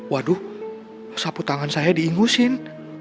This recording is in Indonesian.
waduh sapu tangan saya diingusin